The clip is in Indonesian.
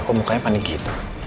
kok mukanya panik gitu